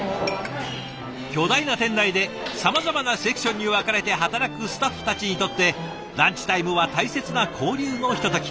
巨大な店内でさまざまなセクションに分かれて働くスタッフたちにとってランチタイムは大切な交流のひととき。